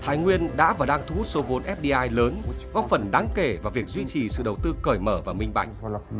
thái nguyên đã và đang thu hút số vốn fdi lớn góp phần đáng kể vào việc duy trì sự đầu tư cởi mở và minh bạch